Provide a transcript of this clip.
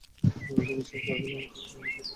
তুই বিশ্বাস করবি না আমার সাথে কী হয়েছে - হাই, জ্যাজ।